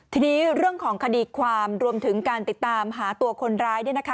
ทีนี้เรื่องของคดีความรวมถึงการติดตามหาตัวคนร้าย